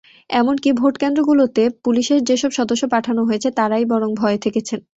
এমনকি ভোটকেন্দ্রগুলোতে পুলিশের যেসব সদস্য পাঠানো হয়েছে, তাঁরাই বরং ভয়ে থেকেছেন।